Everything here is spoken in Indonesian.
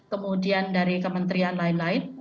kemudian dari kementerian lain lain